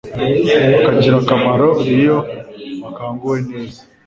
bakagira akamaro iyo bakanguwe neza